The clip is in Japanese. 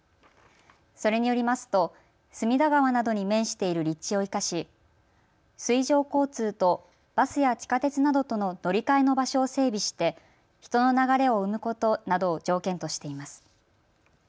それによりますと隅田川などに面している立地を生かし水上交通とバスや地下鉄などとの乗り換えの場所を整備して人の流れを生むことなどを条件としています。